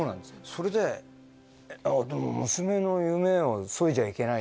それででも娘の夢をそいじゃいけない